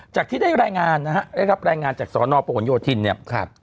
จากที่ได้รายงานนะฮะได้รับรายงานจากสอนอประหลโยธินเนี่ยครับ